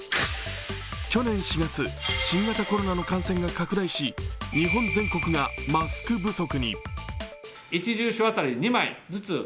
去年４月、新型コロナの感染が拡大し日本全国がマスク不足に。